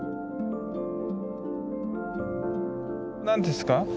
何ですか？